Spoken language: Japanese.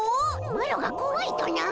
マロがこわいとな？